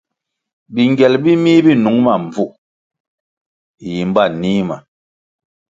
Bingyel bi mih bi nung ma mbvu, yimba nih ma.